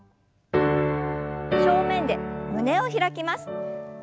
正面で胸を開きます。